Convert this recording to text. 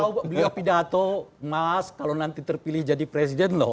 kalau beliau pidato mas kalau nanti terpilih jadi presiden loh